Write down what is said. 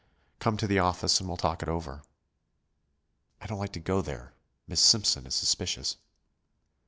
"Come to the office and we'll talk it over." "I don't like to go there; Miss Simpson is suspicious."